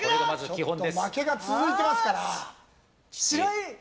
負けが続いてますからね。